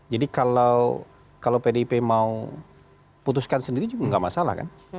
jadi kalau pdip mau putuskan sendiri juga enggak masalah kan